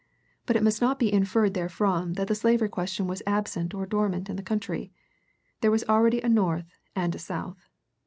But it must not be inferred therefrom that the slavery question was absent or dormant in the country. There was already a North and a South.